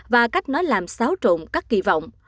và cách nó làm xáo trộn các kỳ vọng